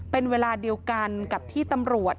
เป็นเวลาเดียวกันกับที่ตำรวจ